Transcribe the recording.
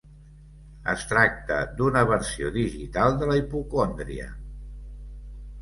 Es tracta d'una versió digital de la hipocondria.